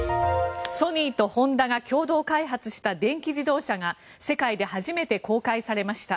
ソニーとホンダが共同開発した電気自動車が世界で初めて公開されました。